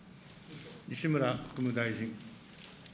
西村国務大臣。